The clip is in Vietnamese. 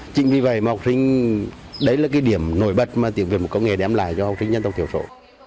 chính vì vậy mà học sinh đấy là cái điểm nổi bật mà tiện việt công nghệ đem lại cho học sinh dân tộc thiểu sổ